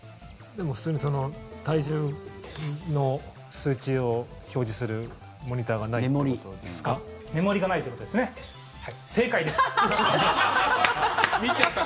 普通に体重の数値を表示するモニターがないってことですか？